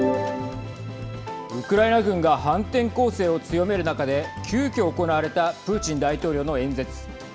ウクライナ軍が反転攻勢を強める中で急きょ行われたプーチン大統領の演説。